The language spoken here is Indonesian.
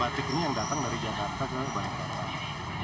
batik ini yang datang dari jakarta ke balikpapan